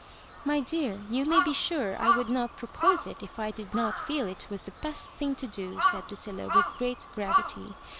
" My dear, you may be sure I would not pro pose it, if I did not teel it was the best thing to do," said Lucilla, with great gravity.